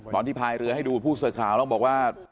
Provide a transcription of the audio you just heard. ตอนที่พายเรือให้ดูผู้เสิร์ฟข่าวต้องบอกว่า